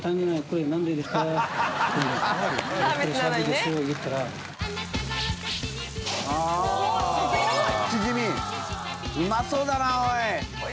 船促うまそうだなおい。